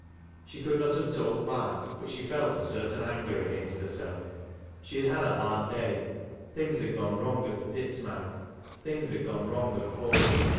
She could not have told why, but she felt a certain anger against herself. She had had a hard day. Things had gone wrong at the pit's mouth ; things had gone wrong at home.